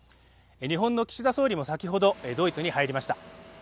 日本の岸田総理も先ほどドイツに入りました。